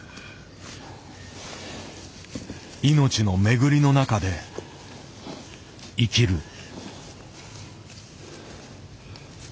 命の巡りのなかで生きる。